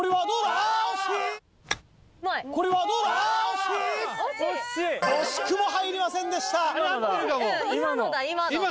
惜しくも入りませんでした！